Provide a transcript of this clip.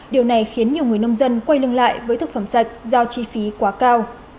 điều này khiến nhiều người nông dân quay lưng lại với thực phẩm sạch do chi phí quá cao